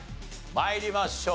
参りましょう。